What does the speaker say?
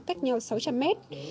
cách nhau sáu trăm linh mét